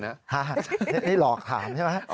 นี่หลอกถามใช่ไหม